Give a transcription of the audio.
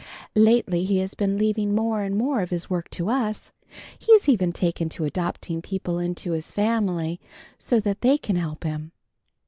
Lately he has been leaving more and more of his work to us. He's even taken to adopting people into his family so that they can help him.